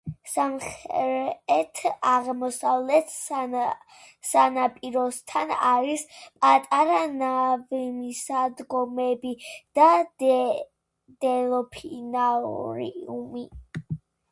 სამხრეთ-აღმოსავლეთ სანაპიროსთან არის პატარა ნავმისადგომები და დელფინარიუმი.